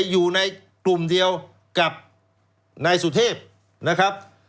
อยู่ในกลุ่มเดียวกับนายสุเทพนะครับ